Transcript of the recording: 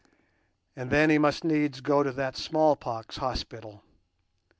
And then he must needs go to that smallpox hospital.